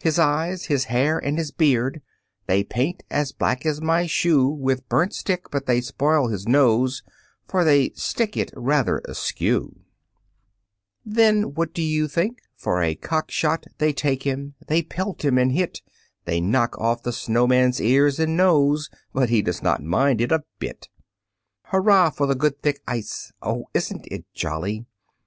His eyes, his hair, and his beard, They paint as black as my shoe With burnt stick, but they spoil his nose, For they stick it rather askew. Then what do you think? For a cockshot They take him; they pelt him and hit; They knock of the snowman's ears and nose, But he does not mind it a bit. Hurrah! for the good thick ice. Oh! isn't it jolly?